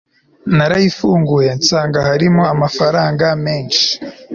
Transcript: narayifunguye nsanga harimo amafaranga menshi